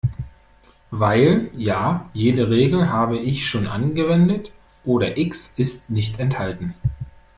Weil, ja, jede Regel habe ich schon angewendet oder X ist nicht enthalten.